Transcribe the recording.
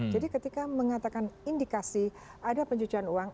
jadi ketika mengatakan indikasi ada pencucian uang